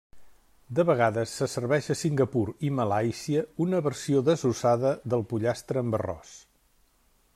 De vegades se serveix a Singapur i Malàisia una versió desossada del pollastre amb arròs.